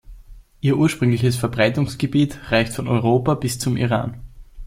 Ihr ursprüngliches Verbreitungsgebiet reicht von Europa bis zum Iran.